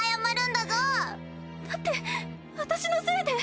だって私のせいで。